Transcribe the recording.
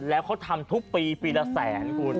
แล้วเขาทำทุกปีปีละแสนคุณ